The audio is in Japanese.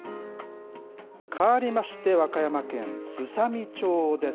かわりまして、和歌山県すさみ町です。